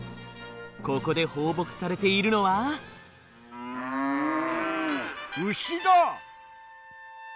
ここで放牧されているのは牛だ！